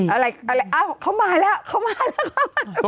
อะไรอะไรอ้าวเขามาแล้วเขามาแล้วครับ